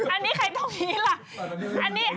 อันนี้ใครต้องหนีหรือ